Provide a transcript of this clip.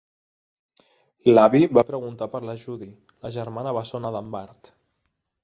L'avi va preguntar per la Judy, la germana bessona d'en Bart.